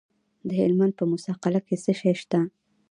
د هلمند په موسی قلعه کې څه شی شته؟